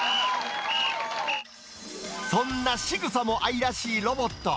そんなしぐさも愛らしいロボット。